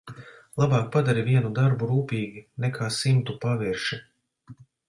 Labāk padari vienu darbu rūpīgi nekā simtu pavirši.